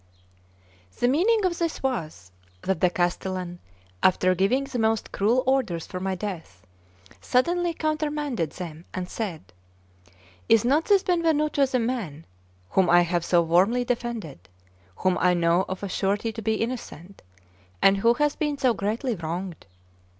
The meaning of this was, that the castellan, after giving the most cruel orders for my death, suddenly countermanded them, and said: "Is not this Benvenuto the man whom I have so warmly defended, whom I know of a surety to be innocent, and who has been so greatly wronged?